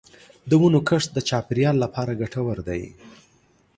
د ونو کښت د چاپېریال لپاره ګټور دی.